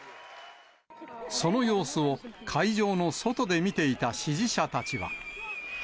その様子を会場の外で見ていた支持者たちは。